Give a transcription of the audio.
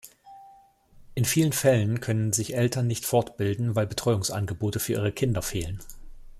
In vielen Fällen können sich Eltern nicht fortbilden, weil Betreuungsangebote für ihre Kinder fehlen.